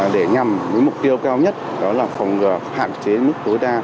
để nhằm với mục tiêu cao nhất đó là phòng ngờ hạn chế mức tối đa